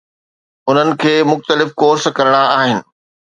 انهن کي مختلف ڪورس ڪرڻا آهن.